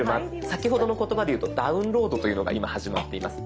先ほどの言葉でいうとダウンロードというのが今始まっています。